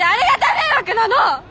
迷惑なの！